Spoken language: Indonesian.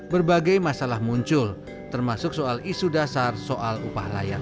berbagai masalah muncul termasuk soal isu dasar soal upah layak